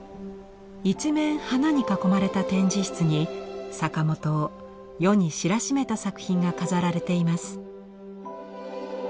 一面花に囲まれた展示室に坂本を世に知らしめた作品が飾られています。